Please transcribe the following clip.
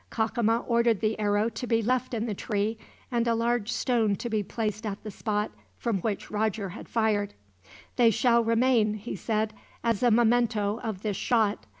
Cacama ordered the arrow to be left in the tree, and a large stone to be placed at the spot from which Roger had fired. "They shall remain," he said, "as a memento of this shot.